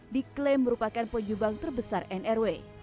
diklaim merupakan penyumbang terbesar nrw